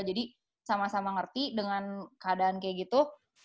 jadi sama sama ngerti dengan keadaan kayak gitu